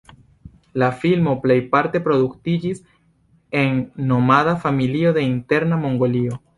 La filmo plejparte produktiĝis en nomada familio de Interna Mongolio.